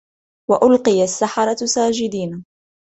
وألقي السحرة ساجدين